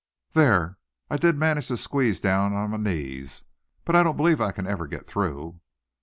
There, I did manage to squeeze down on my knees; but I don't believe I can ever get through."